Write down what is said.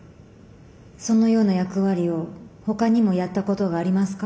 そのような役割をほかにもやったことがありますか？